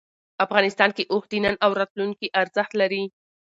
افغانستان کې اوښ د نن او راتلونکي ارزښت لري.